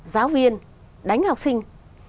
giáo viên đánh học sinh